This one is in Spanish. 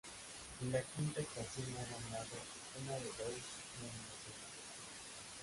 La Quinta Estación ha ganado una de dos nominaciones.